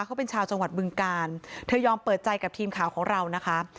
เขาเป็นชาวจังหวัดบึงกาลเธอยอมเปิดใจกับทีมข่าวของเรานะคะ